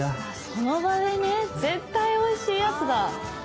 その場でね絶対おいしいやつだ。